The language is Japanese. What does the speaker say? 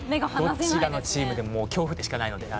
どちらのチームでも恐怖でしかないので。